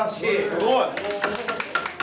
すごい！